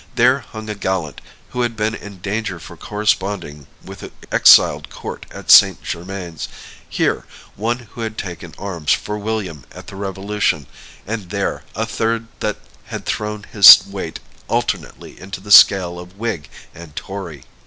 There hung a gallant who had been in danger for corresponding with the exiled Court at Saint Germain's; here, one who had taken arms for William at the Revolution; and there, a third that had thrown his weight alternately into the scale of Whig and Tory.